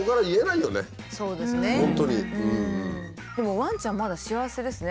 でもワンちゃんまだ幸せですね。